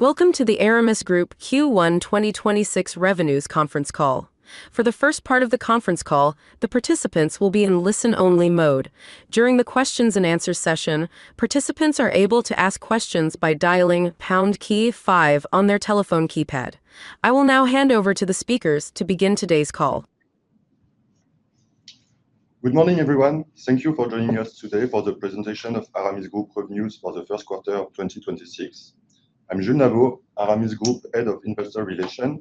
Welcome to the Aramis Group Q1 2026 Revenues conference call. For the first part of the conference call, the participants will be in listen-only mode. During the questions and answer session, participants are able to ask questions by dialing pound key five on their telephone keypad. I will now hand over to the speakers to begin today's call. Good morning, everyone. Thank you for joining us today for the presentation of Aramis Group revenues for the first quarter of 2026. I'm Jules Nabeau, Aramis Group Head of Investor Relations.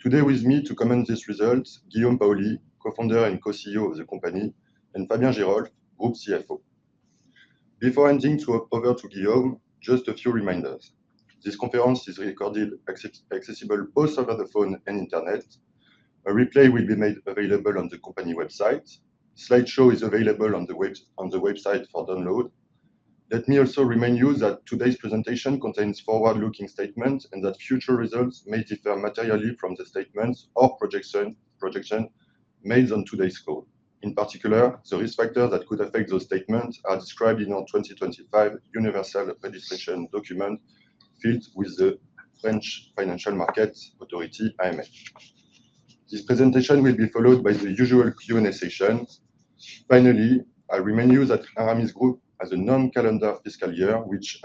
Today with me to comment on these results, Guillaume Paoli, Co-founder and Co-CEO of the company, and Fabien Gloaguen, Group CFO. Before handing over to Guillaume, just a few reminders. This conference is recorded, accessible both over the phone and internet. A replay will be made available on the company website. Slideshow is available on the web, on the website for download. Let me also remind you that today's presentation contains forward-looking statements, and that future results may differ materially from the statements or projection made on today's call. In particular, the risk factors that could affect those statements are described in our 2025 Universal Registration Document filed with the French Financial Market Authority, AMF. This presentation will be followed by the usual Q&A session. Finally, I remind you that Aramis Group has a non-calendar fiscal year, which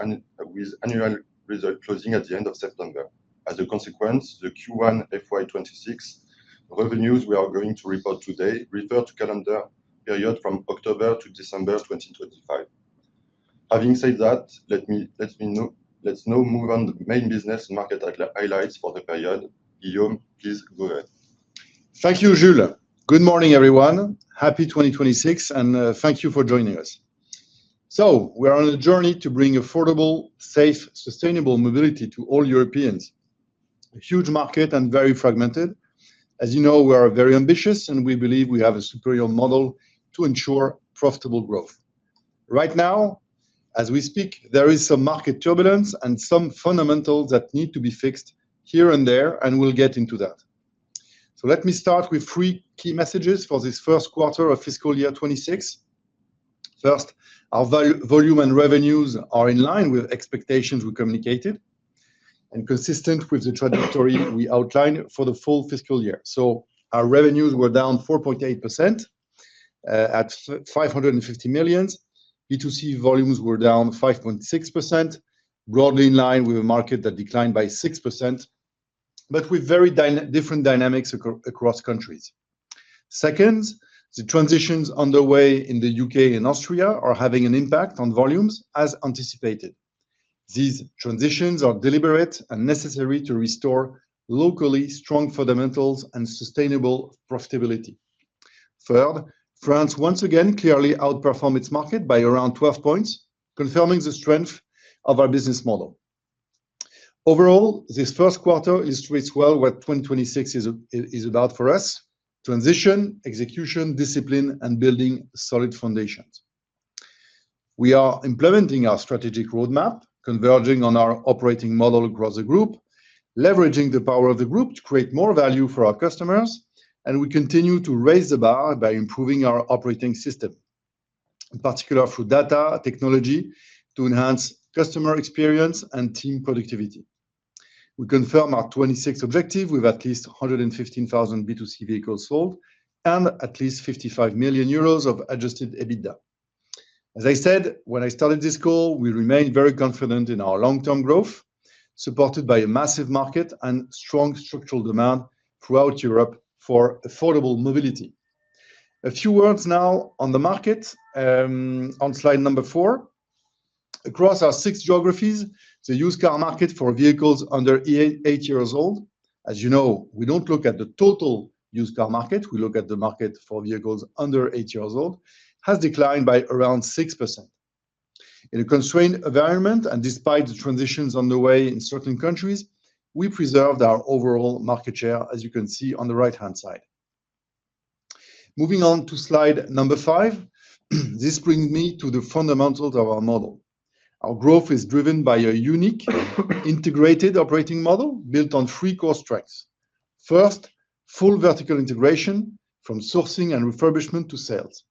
with annual results closing at the end of September. As a consequence, the Q1 FY 2026 revenues we are going to report today refer to calendar period from October-December 2025. Having said that, let me now—let's now move on the main business and market highlights for the period. Guillaume, please go ahead. Thank you, Jules. Good morning, everyone. Happy 2026, and thank you for joining us. So we are on a journey to bring affordable, safe, sustainable mobility to all Europeans. A huge market and very fragmented. As you know, we are very ambitious, and we believe we have a superior model to ensure profitable growth. Right now, as we speak, there is some market turbulence and some fundamentals that need to be fixed here and there, and we'll get into that. So let me start with three key messages for this first quarter of fiscal year 2026. First, our volume and revenues are in line with expectations we communicated and consistent with the trajectory we outlined for the full fiscal year. So our revenues were down 4.8% at 550 million. B2C volumes were down 5.6%, broadly in line with a market that declined by 6%, but with very different dynamics across countries. Second, the transitions underway in the U.K. and Austria are having an impact on volumes as anticipated. These transitions are deliberate and necessary to restore locally strong fundamentals and sustainable profitability. Third, France once again clearly outperformed its market by around 12 points, confirming the strength of our business model. Overall, this first quarter illustrates well what 2026 is about for us: transition, execution, discipline, and building solid foundations. We are implementing our strategic roadmap, converging on our operating model across the group, leveraging the power of the group to create more value for our customers, and we continue to raise the bar by improving our operating system, in particular through data, technology, to enhance customer experience and team productivity. We confirm our 2026 objective with at least 115,000 B2C vehicles sold and at least 55 million euros of adjusted EBITDA. As I said when I started this call, we remain very confident in our long-term growth, supported by a massive market and strong structural demand throughout Europe for affordable mobility. A few words now on the market, on slide number four. Across our six geographies, the used car market for vehicles under eight years old, as you know, we don't look at the total used car market, we look at the market for vehicles under eight years old, has declined by around 6%. In a constrained environment, and despite the transitions on the way in certain countries, we preserved our overall market share, as you can see on the right-hand side. Moving on to slide number 5, this brings me to the fundamentals of our model. Our growth is driven by a unique, integrated operating model built on three core strengths. First, full vertical integration from sourcing and refurbishment to sales.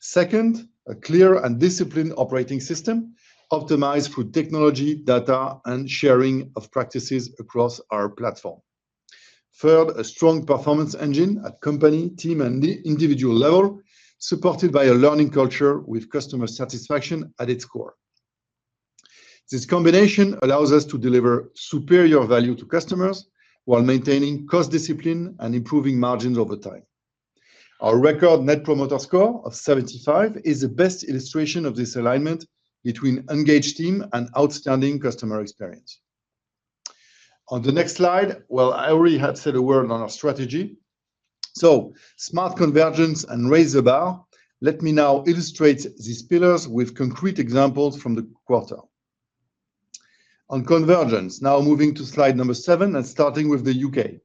Second, a clear and disciplined operating system optimized through technology, data, and sharing of practices across our platform. Third, a strong performance engine at company, team, and individual level, supported by a learning culture with customer satisfaction at its core. This combination allows us to deliver superior value to customers while maintaining cost discipline and improving margins over time. Our record Net Promoter Score of 75 is the best illustration of this alignment between engaged team and outstanding customer experience. On the next slide... Well, I already have said a word on our strategy, so smart convergence and raise the bar. Let me now illustrate these pillars with concrete examples from the quarter. On convergence, now moving to slide seven and starting with the U.K.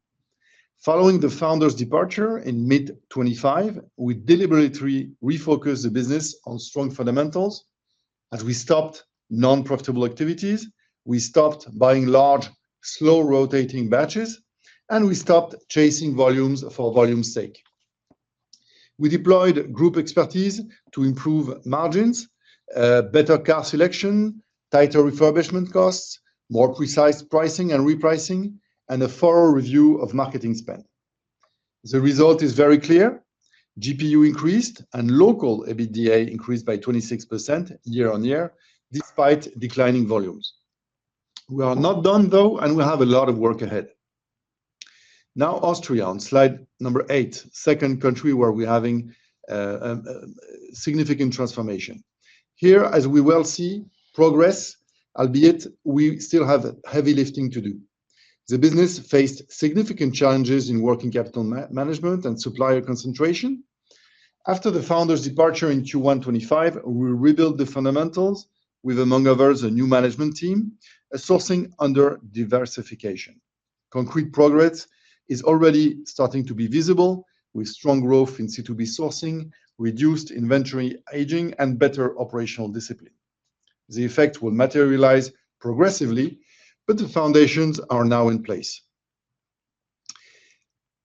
Following the founder's departure in mid-2025, we deliberately refocused the business on strong fundamentals as we stopped non-profitable activities, we stopped buying large, slow-rotating batches, and we stopped chasing volumes for volume's sake.... We deployed group expertise to improve margins, better car selection, tighter refurbishment costs, more precise pricing and repricing, and a thorough review of marketing spend. The result is very clear: GPU increased and local EBITDA increased by 26% year-on-year, despite declining volumes. We are not done, though, and we have a lot of work ahead. Now, Austria, on slide eight, second country where we're having a significant transformation. Here, as we well see, progress, albeit we still have heavy lifting to do. The business faced significant challenges in working capital management and supplier concentration. After the founder's departure in Q1 2025, we rebuilt the fundamentals with, among others, a new management team, a sourcing diversification. Concrete progress is already starting to be visible, with strong growth in C2B sourcing, reduced inventory aging, and better operational discipline. The effect will materialize progressively, but the foundations are now in place.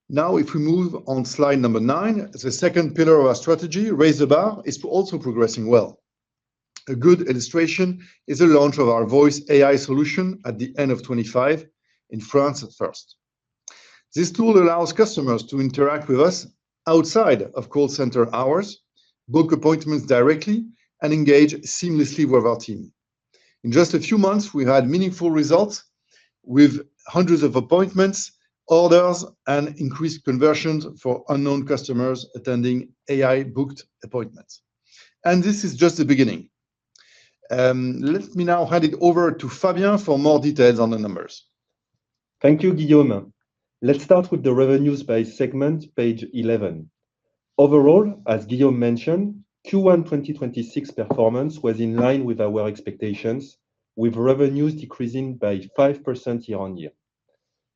Now, if we move on slide number nine, the second pillar of our strategy, Raise the Bar, is also progressing well. A good illustration is the launch of our Voice AI solution at the end of 2025 in France at first. This tool allows customers to interact with us outside of call center hours, book appointments directly, and engage seamlessly with our team. In just a few months, we had meaningful results with hundreds of appointments, orders, and increased conversions for unknown customers attending AI-booked appointments, and this is just the beginning. Let me now hand it over to Fabien for more details on the numbers. Thank you, Guillaume. Let's start with the revenues by segment, page 11. Overall, as Guillaume mentioned, Q1 2026 performance was in line with our expectations, with revenues decreasing by 5% year-on-year.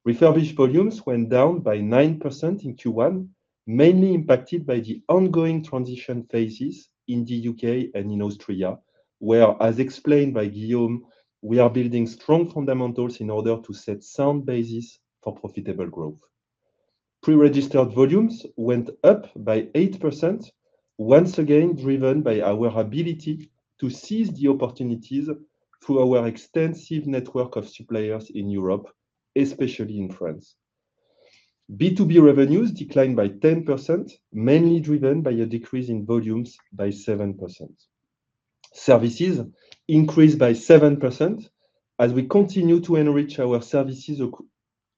Refurbished volumes went down by 9% in Q1, mainly impacted by the ongoing transition phases in the U.K. and in Austria, where, as explained by Guillaume, we are building strong fundamentals in order to set sound basis for profitable growth. Pre-registered volumes went up by 8%, once again, driven by our ability to seize the opportunities through our extensive network of suppliers in Europe, especially in France. B2B revenues declined by 10%, mainly driven by a decrease in volumes by 7%. Services increased by 7% as we continue to enrich our services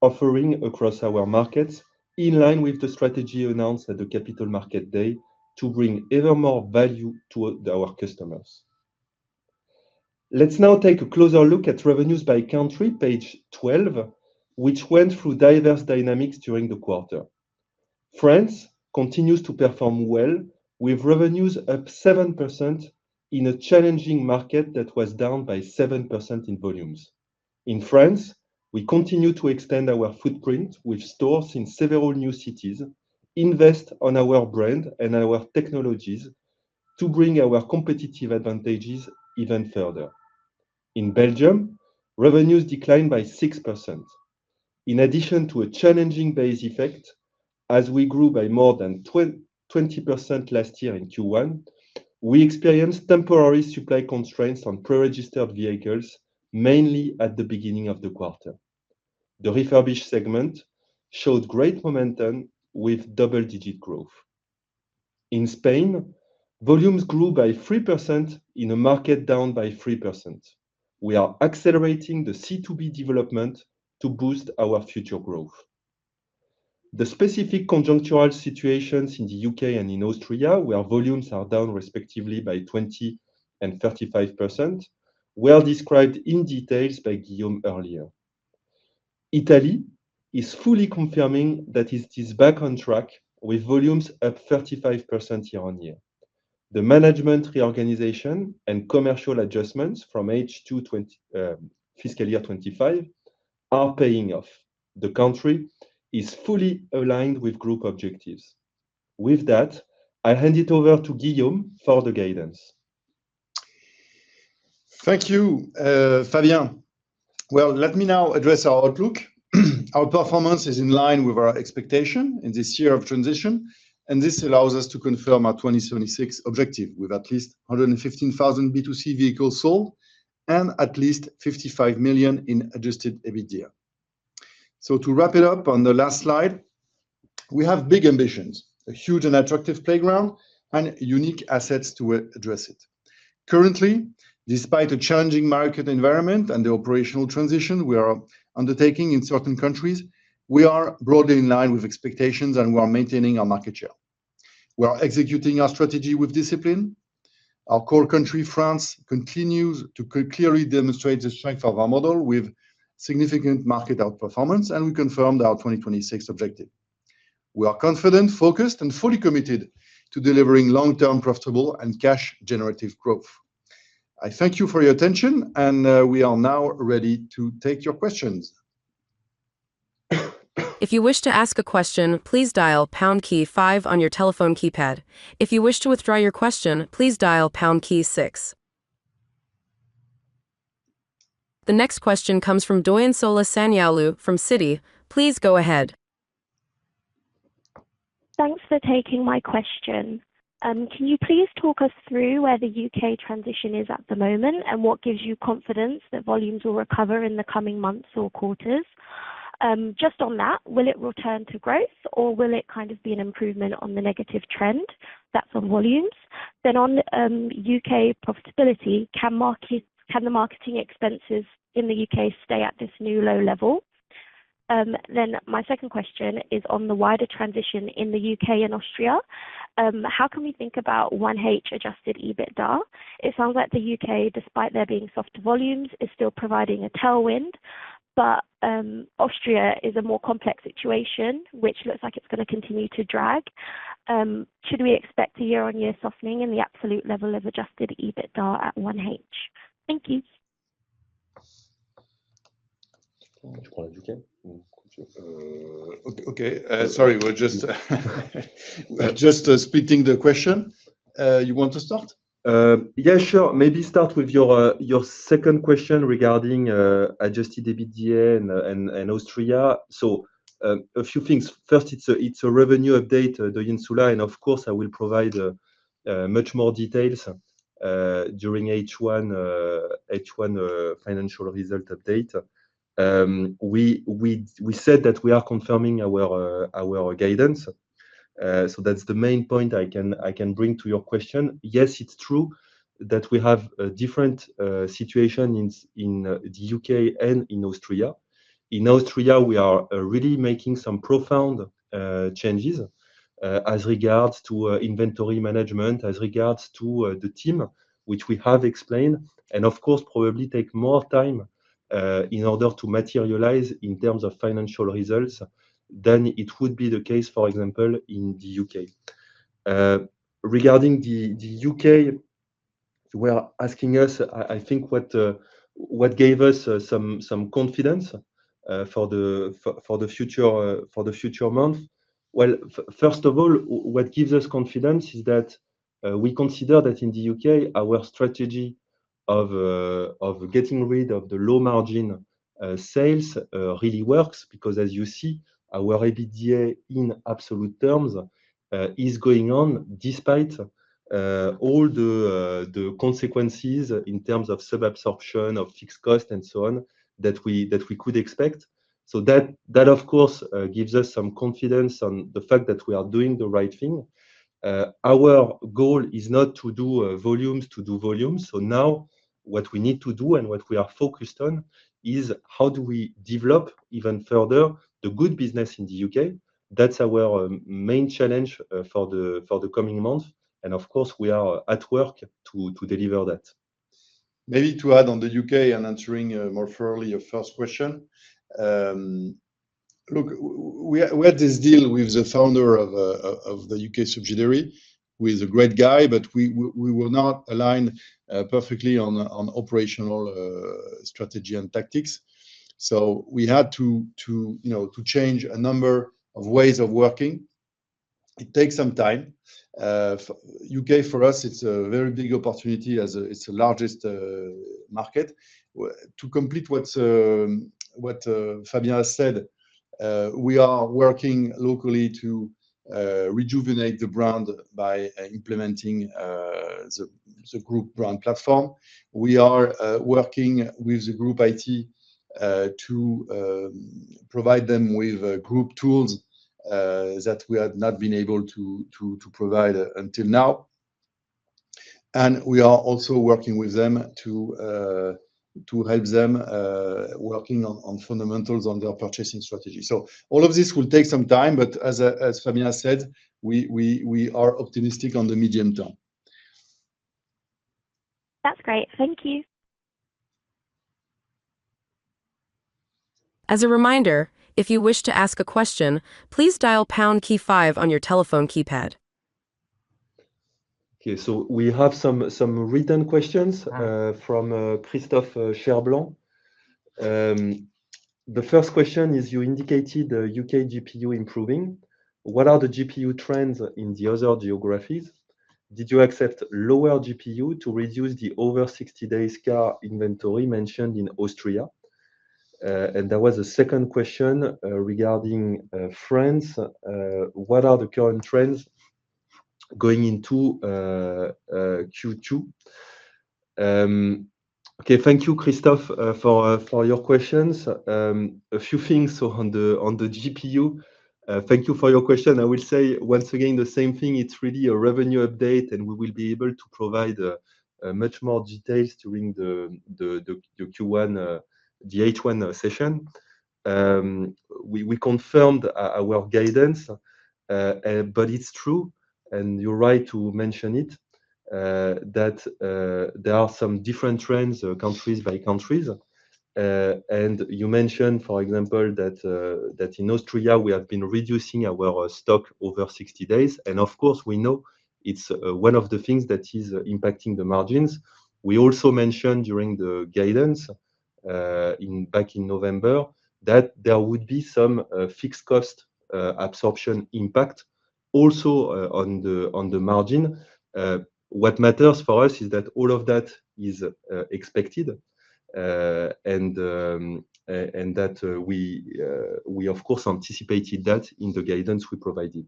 offering across our markets, in line with the strategy announced at the Capital Market Day, to bring ever more value to our customers. Let's now take a closer look at revenues by country, page 12, which went through diverse dynamics during the quarter. France continues to perform well, with revenues up 7% in a challenging market that was down by 7% in volumes. In France, we continue to extend our footprint with stores in several new cities, invest on our brand and our technologies to bring our competitive advantages even further. In Belgium, revenues declined by 6%. In addition to a challenging base effect, as we grew by more than 20% last year in Q1, we experienced temporary supply constraints on pre-registered vehicles, mainly at the beginning of the quarter. The refurbished segment showed great momentum with double-digit growth. In Spain, volumes grew by 3% in a market down by 3%. We are accelerating the C2B development to boost our future growth. The specific conjunctural situations in the U.K. and in Austria, where volumes are down respectively by 20 and 35%, were described in details by Guillaume earlier. Italy is fully confirming that it is back on track with volumes up 35% year-on-year. The management reorganization and commercial adjustments from H2 2020, fiscal year 2025 are paying off. The country is fully aligned with group objectives. With that, I'll hand it over to Guillaume for the guidance. Thank you, Fabien. Well, let me now address our outlook. Our performance is in line with our expectation in this year of transition, and this allows us to confirm our 2026 objective, with at least 115,000 B2C vehicles sold and at least 55 million in adjusted EBITDA. So to wrap it up on the last slide, we have big ambitions, a huge and attractive playground, and unique assets to address it. Currently, despite the challenging market environment and the operational transition we are undertaking in certain countries, we are broadly in line with expectations, and we are maintaining our market share. We are executing our strategy with discipline. Our core country, France, continues to clearly demonstrate the strength of our model with significant market outperformance, and we confirmed our 2026 objective. We are confident, focused, and fully committed to delivering long-term, profitable, and cash-generative growth. I thank you for your attention, and we are now ready to take your questions. If you wish to ask a question, please dial pound key five on your telephone keypad. If you wish to withdraw your question, please dial pound key six.... The next question comes from Doyinsola Sanyaolu from Citi. Please go ahead. Thanks for taking my question. Can you please talk us through where the U.K. transition is at the moment, and what gives you confidence that volumes will recover in the coming months or quarters? Just on that, will it return to growth, or will it kind of be an improvement on the negative trend? That's on volumes. Then on U.K. profitability, can the marketing expenses in the U.K. stay at this new low level? Then my second question is on the wider transition in the U.K. and Austria. How can we think about 1H Adjusted EBITDA? It sounds like the U.K., despite there being soft volumes, is still providing a tailwind, but Austria is a more complex situation, which looks like it's gonna continue to drag. Should we expect a year-on-year softening in the absolute level of Adjusted EBITDA at 1H? Thank you. Okay. Sorry, we're just splitting the question. You want to start? Yeah, sure. Maybe start with your, your second question regarding Adjusted EBITDA and Austria. So, a few things. First, it's a revenue update, Doyinsola, and of course, I will provide much more details during H1 financial result update. We said that we are confirming our guidance. So that's the main point I can bring to your question. Yes, it's true that we have a different situation in the U.K. and in Austria. In Austria, we are really making some profound changes as regards to inventory management, as regards to the team, which we have explained, and of course, probably take more time in order to materialize in terms of financial results than it would be the case, for example, in the U.K. Regarding the U.K., we are asking us, I think, what gave us some confidence for the future month? Well, first of all, what gives us confidence is that we consider that in the U.K., our strategy of getting rid of the low-margin sales really works, because as you see, our EBITDA in absolute terms is going on despite all the consequences in terms of sub-absorption, of fixed cost, and so on, that we could expect. So that, of course, gives us some confidence on the fact that we are doing the right thing. Our goal is not to do volumes, to do volumes. So now what we need to do and what we are focused on is how do we develop even further the good business in the U.K.? That's our main challenge for the coming months, and of course, we are at work to deliver that. Maybe to add on the U.K. and answering more thoroughly your first question. Look, we had this deal with the founder of the UK subsidiary, who is a great guy, but we were not aligned perfectly on operational strategy and tactics. So we had to you know to change a number of ways of working. It takes some time. U.K., for us, it's a very big opportunity as it's the largest market. To complete what Fabien has said, we are working locally to rejuvenate the brand by implementing the group brand platform. We are working with the group IT to provide them with group tools that we have not been able to provide until now. And we are also working with them to help them working on fundamentals on their purchasing strategy. So all of this will take some time, but as Fabien said, we are optimistic on the medium term. That's great. Thank you. As a reminder, if you wish to ask a question, please dial pound key five on your telephone keypad. Okay. So we have some written questions from Christophe Cherblanc. The first question is: You indicated the U.K. GPU improving. What are the GPU trends in the other geographies? Did you accept lower GPU to reduce the over 60 days car inventory mentioned in Austria? And there was a second question regarding France. What are the current trends going into Q2? Okay. Thank you, Christophe, for your questions. A few things. So on the GPU, thank you for your question. I will say, once again, the same thing, it's really a revenue update, and we will be able to provide much more details during the Q1, the H1 session. We confirmed our guidance, but it's true, and you're right to mention it, that there are some different trends, countries by countries. And you mentioned, for example, that in Austria, we have been reducing our stock over 60 days, and of course, we know it's one of the things that is impacting the margins. We also mentioned during the guidance, back in November, that there would be some fixed cost absorption impact. ... also, on the margin, what matters for us is that all of that is expected, and, and that we, of course, anticipated that in the guidance we provided.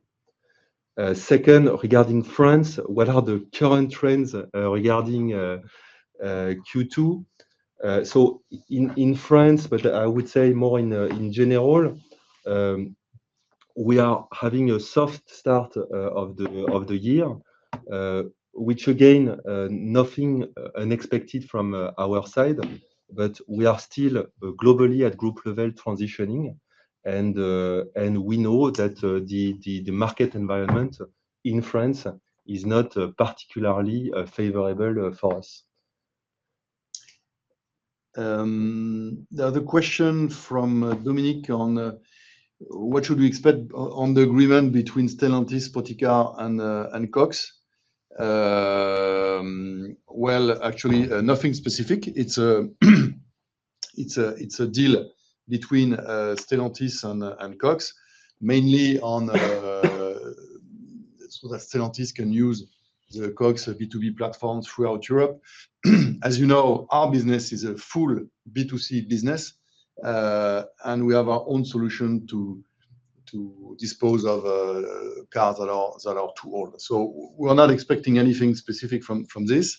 Second, regarding France, what are the current trends regarding Q2? So in France, but I would say more in general, we are having a soft start of the year, which again, nothing unexpected from our side, but we are still globally at group level transitioning, and we know that the market environment in France is not particularly favorable for us. The other question from Dominic on what should we expect on the agreement between Stellantis, SPOTiCAR and Cox Automotive? Well, actually, nothing specific. It's a deal between Stellantis and Cox Automotive, mainly on so that Stellantis can use the Cox Automotive B2B platform throughout Europe. As you know, our business is a full B2C business, and we have our own solution to dispose of cars that are too old. So we're not expecting anything specific from this.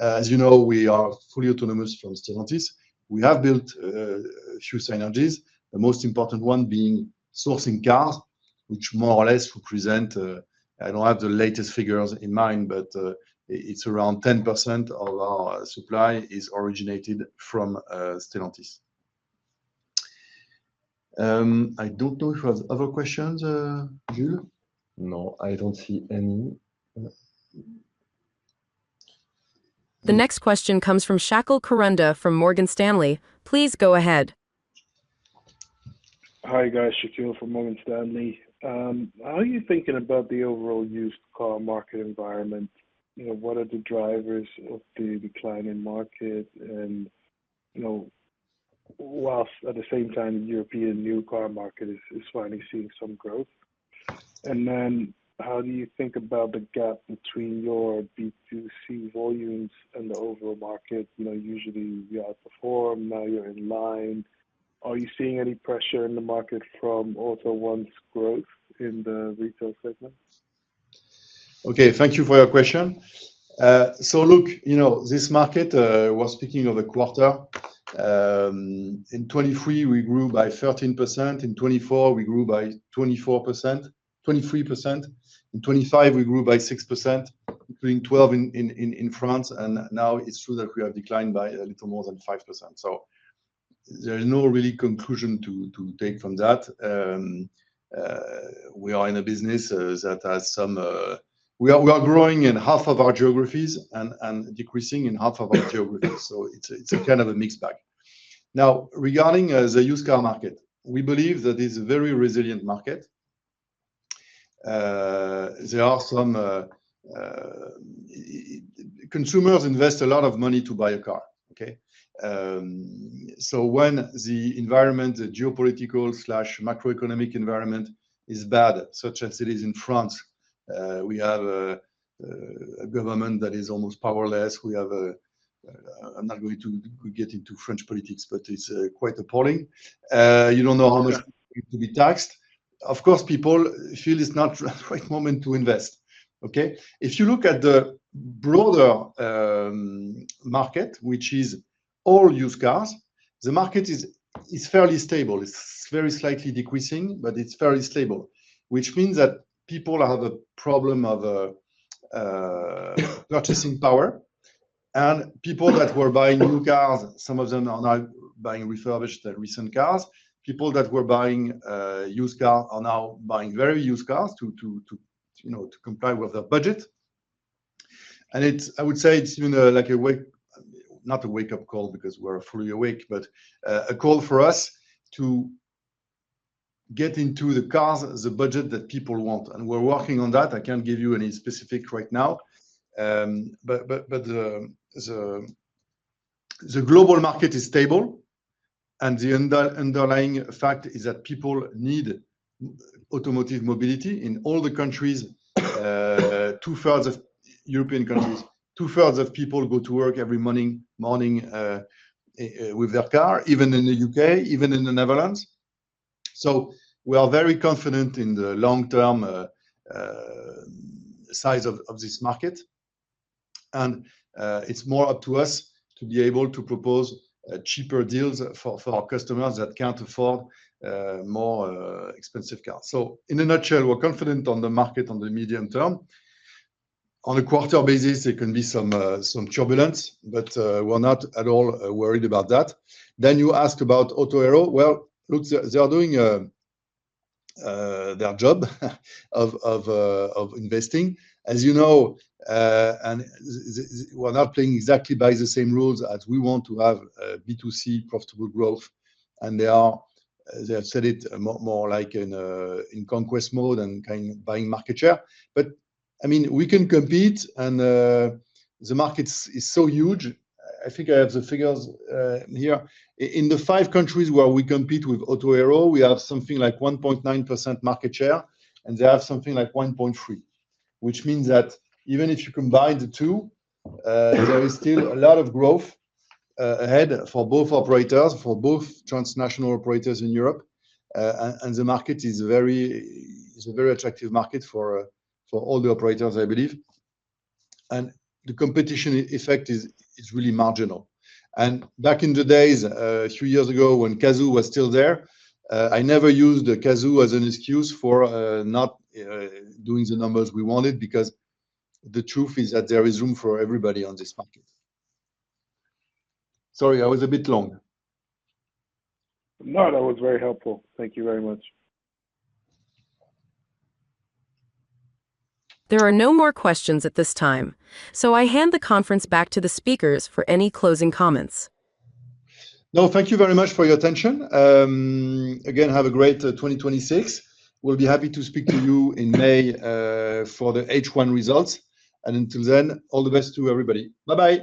As you know, we are fully autonomous from Stellantis. We have built through synergies, the most important one being sourcing cars, which more or less represent, I don't have the latest figures in mind, but it's around 10% of our supply is originated from Stellantis. I don't know if you have other questions, Jules? No, I don't see any. The next question comes from Shaqeal Kirunda from Morgan Stanley. Please go ahead. Hi, guys, Shaqeal from Morgan Stanley. How are you thinking about the overall used car market environment? You know, what are the drivers of the decline in market? And, you know, while at the same time, the European new car market is finally seeing some growth. And then how do you think about the gap between your B2C volumes and the overall market? You know, usually you outperform, now you're in line. Are you seeing any pressure in the market from AUTO1's growth in the retail segment? Okay, thank you for your question. So look, you know, this market was speaking of a quarter. In 2023, we grew by 13%. In 2024, we grew by 24%, 23%. In 2025, we grew by 6%, between 12 in France, and now it's true that we have declined by a little more than 5%. So there is no really conclusion to take from that. We are in a business that has some. We are growing in half of our geographies and decreasing in half of our geographies. So it's a kind of a mixed bag. Now, regarding the used car market, we believe that it's a very resilient market. There are some consumers invest a lot of money to buy a car, okay? So when the environment, the geopolitical/macroeconomic environment is bad, such as it is in France, we have a government that is almost powerless. We have a... I'm not going to get into French politics, but it's quite appalling. You don't know how much to be taxed. Of course, people feel it's not the right moment to invest, okay? If you look at the broader market, which is all used cars, the market is fairly stable. It's very slightly decreasing, but it's fairly stable, which means that people have a problem of purchasing power, and people that were buying new cars, some of them are now buying refurbished recent cars. People that were buying used car are now buying very used cars to you know, to comply with their budget. It's I would say it's, you know, like a wake... Not a wake-up call because we're fully awake, but a call for us to get into the cars, the budget that people want, and we're working on that. I can't give you any specific right now. But the global market is stable, and the underlying fact is that people need automotive mobility in all the countries. Two-thirds of European countries, two-thirds of people go to work every morning with their car, even in the U.K., even in the Netherlands. So we are very confident in the long term size of this market, and it's more up to us to be able to propose cheaper deals for our customers that can't afford more expensive cars. So in a nutshell, we're confident on the market on the medium term. On a quarter basis, there can be some turbulence, but we're not at all worried about that. Then you ask about Autohero. Well, look, they are doing their job of investing. As you know, and we're not playing exactly by the same rules as we want to have B2C profitable growth, and they are, they have set it more like in conquest mode and kind of buying market share. But, I mean, we can compete and the market is so huge. I think I have the figures here. In the five countries where we compete with Autohero, we have something like 1.9% market share, and they have something like 1.3%, which means that even if you combine the two, there is still a lot of growth ahead for both operators, for both transnational operators in Europe. And, and the market is very, is a very attractive market for, for all the operators, I believe. And the competition effect is, is really marginal. And back in the days, three years ago, when Cazoo was still there, I never used Cazoo as an excuse for, not doing the numbers we wanted, because the truth is that there is room for everybody on this market. Sorry, I was a bit long. No, that was very helpful. Thank you very much. There are no more questions at this time, so I hand the conference back to the speakers for any closing comments. No, thank you very much for your attention. Again, have a great 2026. We'll be happy to speak to you in May for the H1 results. And until then, all the best to everybody. Bye-bye.